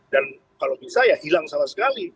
dan kalau bisa ya hilang sama sekali